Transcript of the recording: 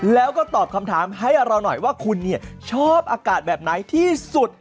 แล้วก็ตอบคำถามให้เราหน่อยว่าคุณชอบอากาศแบบไหนที่สุด